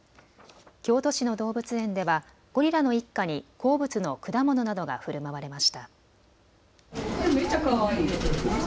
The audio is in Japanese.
京都市の動物園ではゴリラの一家に好物の果物などがふるまわれました。